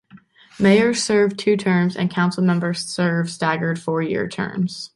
Mayors serve two-year terms, and council members serve staggered four-year terms.